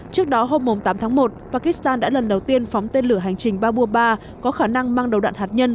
trước đó hôm tám tháng một pakistan đã lần đầu tiên phóng tên lửa hành trình babur ba có khả năng mang đầu đạn hạt nhân